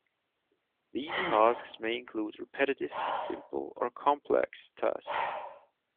These tasks may include repetitive, simple, or complex tasks.